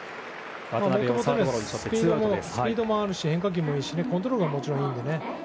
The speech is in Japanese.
スピードもあるし変化球もいいしコントロールはもちろんいいのでね。